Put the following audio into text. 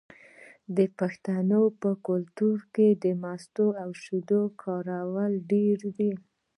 د پښتنو په کلتور کې د مستو او شیدو کارول ډیر دي.